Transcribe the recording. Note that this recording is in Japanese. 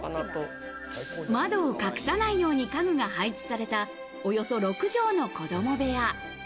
窓を隠さないように家具が配置されたおよそ６帖の子供部屋。